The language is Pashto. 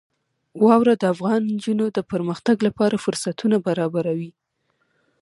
واوره د افغان نجونو د پرمختګ لپاره فرصتونه برابروي.